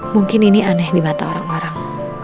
mungkin ini aneh di mata orang orang